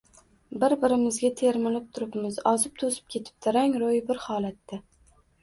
Bir-birimizga termulib turibmiz. Ozib-toʼzib ketibdi, rang-roʼyi bir holatda.